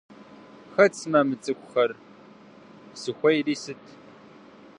Хэт сымэ мы цӏыхухэр?! Зыхуейри сыт?